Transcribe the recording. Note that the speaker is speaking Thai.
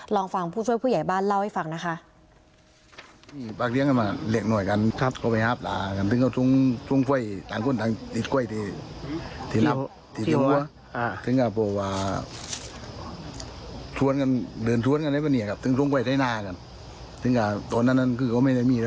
ลองฟังผู้ช่วยผู้ใหญ่บ้านเล่าให้ฟังนะคะ